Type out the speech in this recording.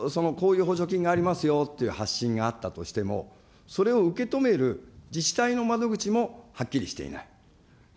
だからいろいろとそのこういう補助金がありますよという発信があったとしても、それを受け止める自治体の窓口もはっきりしていない。